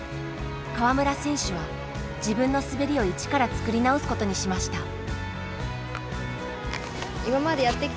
川村選手は自分の滑りを一から作り直すことにしました。